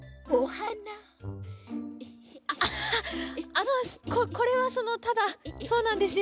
あのここれはそのただそうなんですよ。